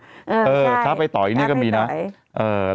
ใช่ช้าไปต่อยดีกว่ามีนะเออช้าไปต่อย